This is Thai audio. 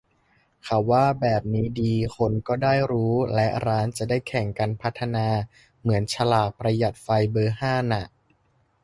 เราว่าแบบนี้ดี คนก็ได้รู้ และร้านจะได้แข่งกันพัฒนา เหมือนฉลากประหยัดไฟเบอร์ห้าน่ะ